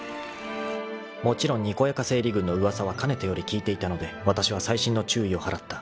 ［もちろんにこやか整理軍の噂はかねてより聞いていたのでわたしは細心の注意を払った］